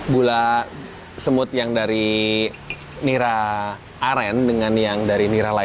gula semut yang dari nira aren dengan yang dari nira lain